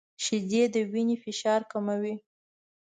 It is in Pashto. • شیدې د وینې فشار کموي.